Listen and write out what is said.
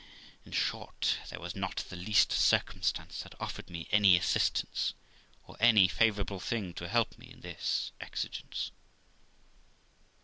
In short, there was not the least circumstance that offered me any assistance, or any favourable thing to help me in this exigence.